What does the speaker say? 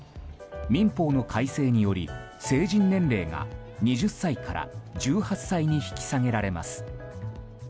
民法の改正により、成人年齢が２０歳から１８歳に引き下げられます。